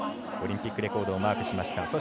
オリンピックレコードをマークしました。